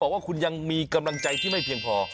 บอกว่าคุณยังมีกำลังใจที่ไม่เพียงพอ